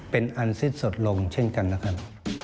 เป็นอันสิ้นสดลงเช่นกันนะครับ